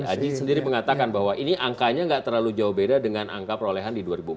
aji sendiri mengatakan bahwa ini angkanya nggak terlalu jauh beda dengan angka perolehan di dua ribu empat belas